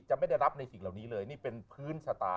ไม่ได้รับในสิ่งเหล่านี้เลยนี่เป็นพื้นชะตา